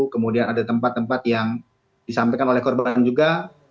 kemudian ada tempat tempat yang disampaikan oleh korban juga